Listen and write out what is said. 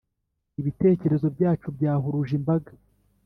Ibitekerezo byacu byahuruje imbaga